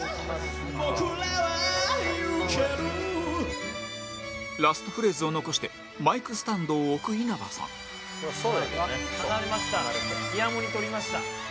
「僕らはゆける」ラストフレーズを残してマイクスタンドを置く稲葉さん「離れました。イヤモニ取りました」